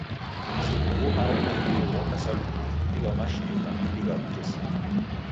Mzi ugho aho naimbiri ghoka sa lukuvudi lwa mashirika mengi gha w'utesia.